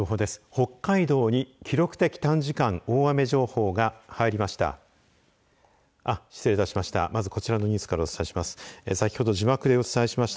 北海道に記録的短時間大雨情報が入りました。